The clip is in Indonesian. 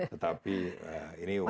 tetapi ini waktu yang